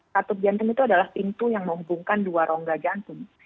katup jantung itu adalah pintu yang menghubungkan dua rongga jantung